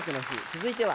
続いては？